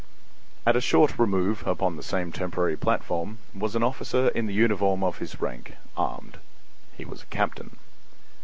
At a short remove upon the same temporary platform was an officer in the uniform of his rank, armed. He was a captain.